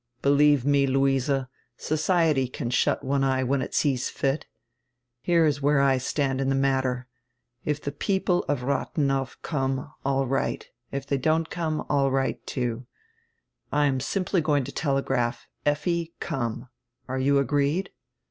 Believe me, Luise, 'society' can shut one eye when it sees fit. Here is where I stand in die matter: If die people of Radienow come, all right, if they don't come, all right too. I am simply going to telegraph: 'Lffi, come.' Are you agreed?"